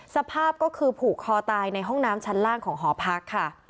สภาพก็คือผูกคอตายในห้องน้ำชั้นล่างของหอพักค่ะ